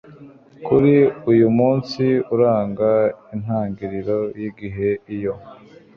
kuri uyumunsi uranga intangiriro yigihe iyo